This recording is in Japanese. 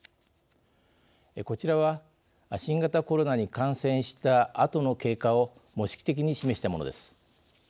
こちらは、新型コロナに感染したあとの経過を模式的に示したものです。